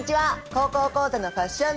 高校講座のファッション